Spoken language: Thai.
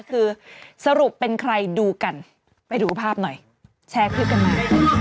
คือสรุปเป็นใครดูกันไปดูภาพหน่อยแชร์คลิปกันมา